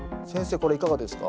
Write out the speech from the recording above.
これいかがですか？